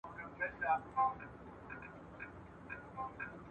په حيرت حيرت يې وكتل مېزونه.